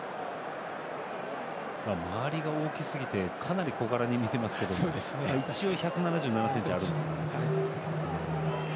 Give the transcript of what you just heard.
周りが大きすぎてかなり小柄に見えますけど一応、１７７ｃｍあるんですよ。